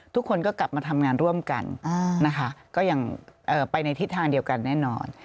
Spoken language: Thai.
ทุกคนก็กลับมาทำงานร่วมกันนะคะก็ยังไปในทิศทางเดียวกันแน่นอน